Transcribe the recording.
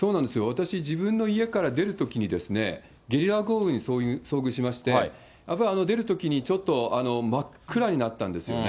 私、自分の家から出るときに、ゲリラ豪雨に遭遇しまして、やっぱり出るときにちょっと真っ暗になったんですよね。